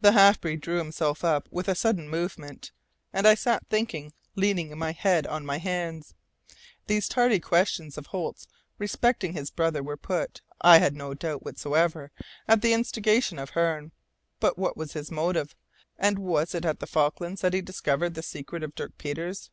The half breed drew himself up with a sudden movement, and I sat thinking, leaning my head on my hands. These tardy questions of Holt's respecting his brother were put, I had no doubt whatsoever, at the instigation of Hearne, but what was his motive, and was it at the Falklands that he had discovered the secret of Dirk Peters?